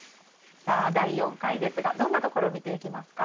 さあ第４回ですがどんなところを見ていきますか？